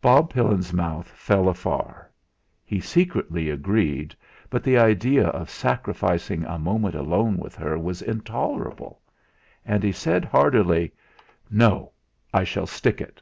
Bob Pillin's mouth fell afar; he secretly agreed, but the idea of sacrificing a moment alone with her was intolerable, and he said hardily: "No, I shall stick it!"